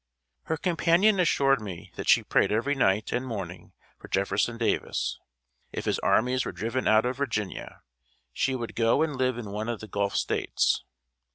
Her companion assured me that she prayed every night and morning for Jefferson Davis. If his armies were driven out of Virginia, she would go and live in one of the Gulf States.